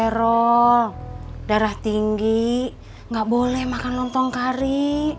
karol darah tinggi gak boleh makan nonton kari